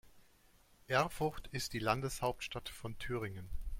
Erfurt ist die Landeshauptstadt von Thüringen.